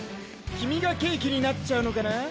君がケーキになっちゃうのかな？